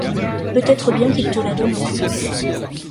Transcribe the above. Peut-être bien qu’il te la donnera.